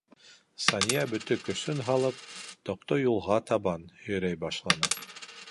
Сания бөтә көсөн һалып тоҡто юлға табан һөйрәй башланы.